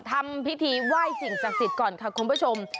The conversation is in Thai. ทำพิธีไหว้สิ่งศักดิ์สิทธิ์ก่อนค่ะคุณผู้ชม